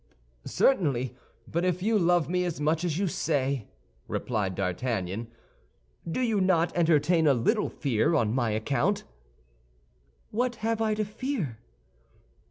"Certainly; but if you love me as much as you say," replied D'Artagnan, "do you not entertain a little fear on my account?" "What have I to fear?"